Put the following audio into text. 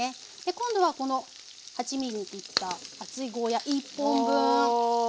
今度はこの８ｍｍに切った厚いゴーヤー１本分を入れます。